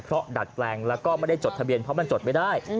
เพราะดัดแปลงแล้วก็ไม่ได้จดทะเบียนเพราะมันจดไม่ได้